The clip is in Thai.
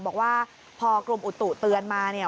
บอกว่าพอกรมอุตุเตือนมาเนี่ย